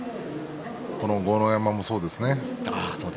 豪ノ山もそうですね